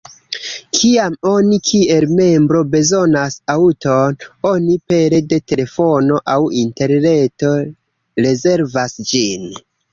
Kiam oni kiel membro bezonas aŭton, oni pere de telefono aŭ interreto rezervas ĝin.